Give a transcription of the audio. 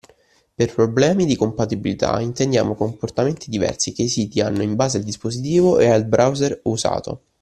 Per problemi di compatibilità intendiamo comportamenti diversi che i siti hanno in base al dispositivo e al browser usato